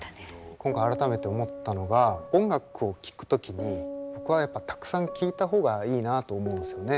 今回改めて思ったのが音楽を聴く時に僕はやっぱたくさん聴いた方がいいなあと思うんですよね。